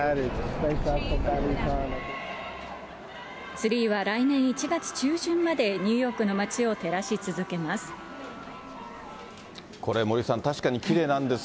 ツリーは来年１月中旬までニューヨークの街を照らし続けます。